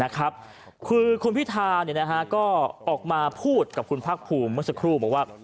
คือคุณพิธาก็ออกมาพูดกับคุณภาคภูมิเมื่อสักครู่บอกว่า